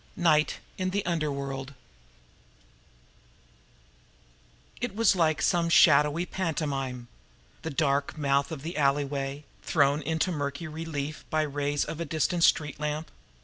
NIGHT IN THE UNDERWORLD It was like some shadowy pantomime: The dark mouth of an alleyway thrown into murky relief by the rays of a distant street lamp...